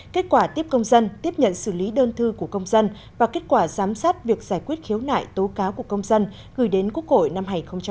kết quả tiếp công dân tiếp nhận xử lý đơn thư của công dân và kết quả giám sát việc giải quyết khiếu nại tố cáo của công dân gửi đến quốc hội năm hai nghìn một mươi chín